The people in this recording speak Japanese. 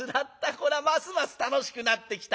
こらますます楽しくなってきた。